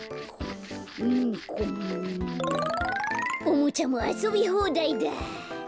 おもちゃもあそびほうだいだ。